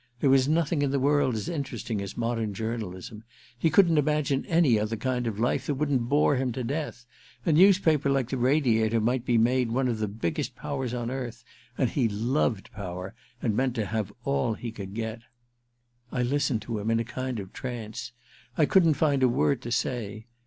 There was nothing in the world as interesting as modern journalism. He couldn't imagine any other kind of life that wouldn't bore him to death. A newspaper like the Radiator might be made one of the biggest powers on earth, and he loved power, and meant to have all he could get. I listened to him in a kind of trance. I couldn't find a word to say.